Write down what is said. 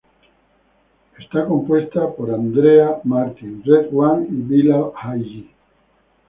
Fue compuesta por Andrea Martin, RedOne y Bilal Hajji.